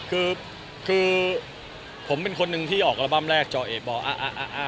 คือคือผมเป็นคนหนึ่งที่ออกอัลบั้มแรกจอเอฟบ่ออะอะอะอะอะอะ